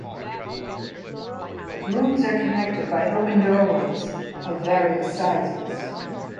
Rooms are connected by open doorways of various sizes.